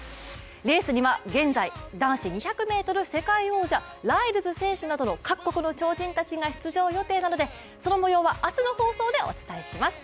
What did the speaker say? レースには現在、男子２００ｍ世界王者、ライルズ選手などの各国の超人たちが出場予定なので、そのもようは明日の放送でお伝えします。